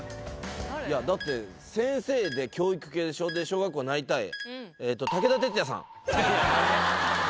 いやだって先生で教育系でしょで小学校なりたい